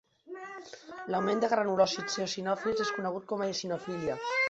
L'augment de granulòcits eosinòfils es conegut com a eosinofília.